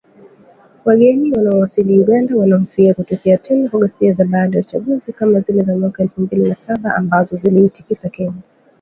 Wageni wanaowasili Uganda wanahofia kutokea tena kwa ghasia za baada ya uchaguzi kama zile za mwaka elfu mbili na saba ambazo ziliitikisa Kenya